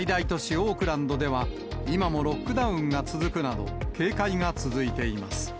オークランドでは、今もロックダウンが続くなど、警戒が続いています。